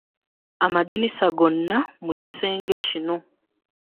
Amadinisa gonna mu kisenge kino .